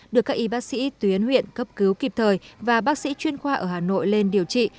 được các y bác sĩ tuyến huyện cấp cứu kịp thời và bác sĩ chuyên khoa ở hà nội lên điều trị